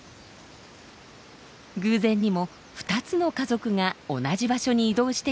偶然にも２つの家族が同じ場所に移動してきたようです。